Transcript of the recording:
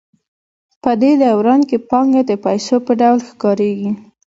په دې دوران کې پانګه د پیسو په ډول ښکارېږي